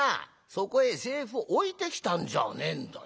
そこへ財布置いてきたんじゃねえんだよ。